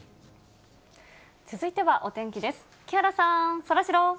続いてはお天気です。